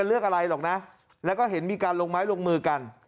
เลือกอะไรหรอกนะแล้วก็เห็นมีการลงไม้ลงมือกัน